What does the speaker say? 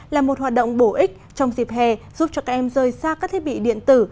là một hoạt động bổ ích trong dịp hè giúp cho các em rời xa các thiết bị điện tử